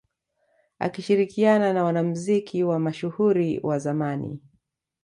Akishirikiana na wanamuziki wa mashuhuri wa zamani